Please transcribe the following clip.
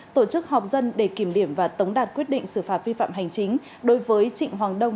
tổ chức họp dân để kiểm điểm và tống đạt quyết định xử phạt vi phạm hành chính đối với trịnh hoàng đông